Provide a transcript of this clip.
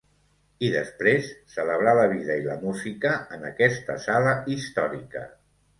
I després, celebrar la vida i la música en aquesta sala històrica.